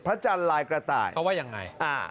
จันทร์ลายกระต่ายเขาว่ายังไง